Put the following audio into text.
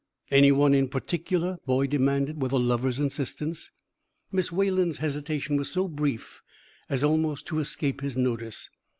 "Any one in particular?" Boyd demanded, with a lover's insistence. Miss Wayland's hesitation was so brief as almost to escape his notice.